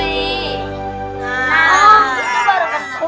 oh itu baru kenapa